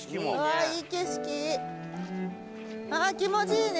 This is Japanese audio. ああー気持ちいいね！